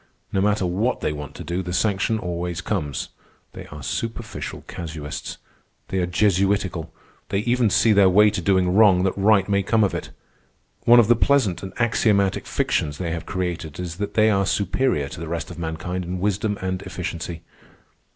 No matter what they want to do, the sanction always comes. They are superficial casuists. They are Jesuitical. They even see their way to doing wrong that right may come of it. One of the pleasant and axiomatic fictions they have created is that they are superior to the rest of mankind in wisdom and efficiency.